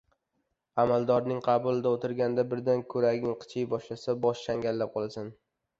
– amaldorning qabulida o‘tirganda birdan kuraging qichiy boshlasa bosh changallab qolasan;